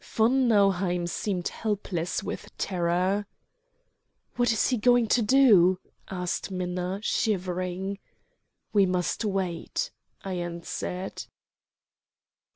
Von Nauheim seemed helpless with terror. "What is he going to do?" asked Minna, shivering. "We must wait," I answered.